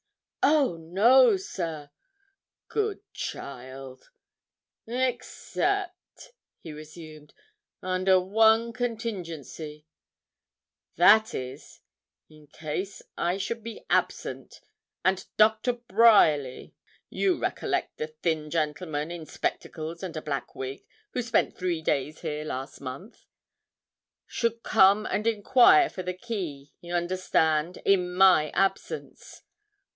'Oh! no, sir!' 'Good child!' 'Except,' he resumed, 'under one contingency; that is, in case I should be absent, and Dr. Bryerly you recollect the thin gentleman, in spectacles and a black wig, who spent three days here last month should come and enquire for the key, you understand, in my absence.'